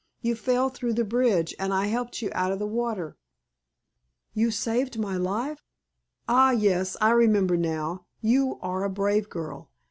"You fell through the bridge, and I helped you out of the water." "You saved my life? Ah, yes! I remember now. You are a brave girl.